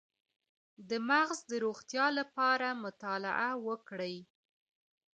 د مغز د روغتیا لپاره مطالعه وکړئ